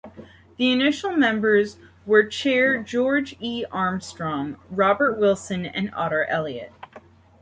The initial members were Chair George E. Armstrong, Robert Wilson and Otter Elliott.